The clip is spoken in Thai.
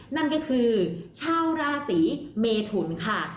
นั่นก็คือชาวราศีเมทุนค่ะ